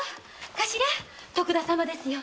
頭徳田様ですよ。